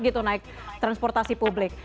gitu naik transportasi publik